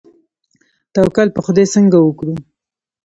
توکل په خدای څنګه وکړو؟